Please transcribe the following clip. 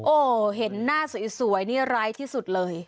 โอ้โหเห็นหน้าสวยนี่ร้ายที่สุดเลย